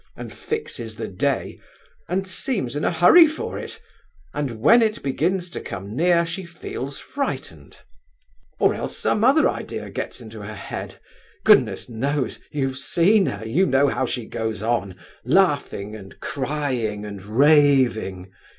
and fixes the day, and seems in a hurry for it, and when it begins to come near she feels frightened; or else some other idea gets into her head—goodness knows! you've seen her—you know how she goes on—laughing and crying and raving!